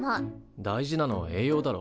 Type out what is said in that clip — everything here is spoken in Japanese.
大事なのは栄養だろ。